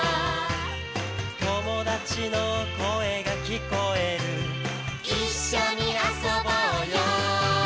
「友達の声が聞こえる」「一緒に遊ぼうよ」